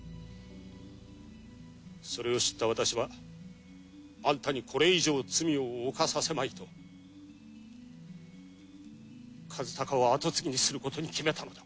それを知った私はアンタにこれ以上罪を犯させまいと和鷹を跡継ぎにすることに決めたのだ。